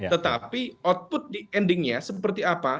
tetapi output di endingnya seperti apa